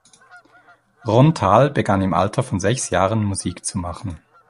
Ron Thal begann im Alter von sechs Jahren Musik zu machen.